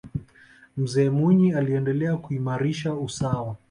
mzee mwinyi aliendelea kuimarisha usawa